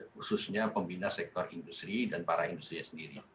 khususnya pembina sektor industri dan para industri sendiri